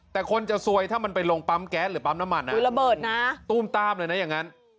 แต่คนจะซวยถ้ามันไปลงปั๊มแก๊สหรือปั๊มน้ำมันนะคือระเบิดนะตู้มตามเลยนะอย่างนั้น